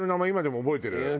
今でも覚えてる？